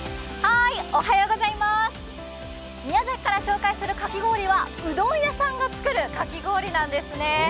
宮崎から紹介するかき氷は、うどん屋さんが作るかき氷なんですね。